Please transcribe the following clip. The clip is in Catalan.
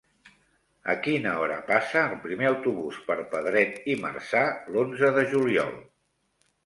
A quina hora passa el primer autobús per Pedret i Marzà l'onze de juliol?